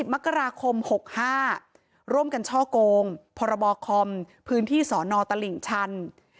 มกราคม๖๕ร่วมกันช่อโกงพรบคอมพื้นที่สนตลิ่งชัน